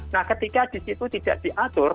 nah ketika disitu tidak diatur